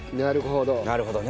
なるほど。